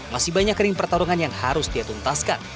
masih banyak ring pertarungan yang harus diatuntaskan